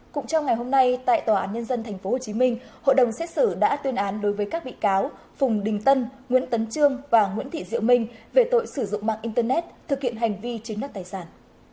cũng trong ngày hôm nay tại tòa án nhân dân tp hcm hội đồng xét xử đã tuyên án đối với các bị cáo phùng đình tân nguyễn tấn trương và nguyễn thị diệu minh về tội sử dụng mạng internet thực hiện hành vi chiếm đất tài sản